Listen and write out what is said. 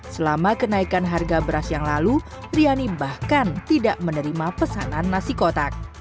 selama kenaikan harga beras yang lalu riani bahkan tidak menerima pesanan nasi kotak